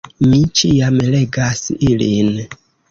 Mi ĉiam legas ilin.